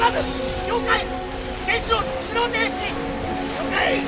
了解！